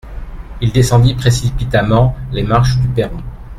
Il descendit précipitamment les marches du perron.